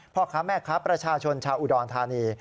พ่อค้าแม่ค้าประชาชนชาวอุดรธานี